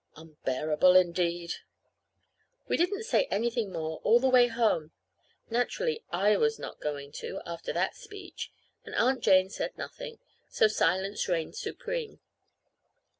Unbearable, indeed! We didn't say anything more all the way home. Naturally, I was not going to, after that speech; and Aunt Jane said nothing. So silence reigned supreme.